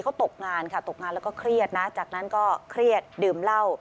เขาตกงานค่ะตกงานแล้วก็เครียดนะจากนั้นก็เครียดดื่มเหล้า